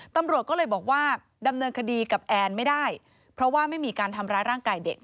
ตำรวจก็เลยบอกว่าดำเนินคดีกับแอนไม่ได้เพราะว่าไม่มีการทำร้ายร่างกายเด็ก